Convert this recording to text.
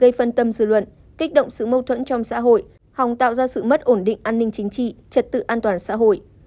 gây phân tâm dư luận kích động sự mâu thuẫn trong xã hội hòng tạo ra sự mất ổn định an ninh chính trị trật tự an toàn xã hội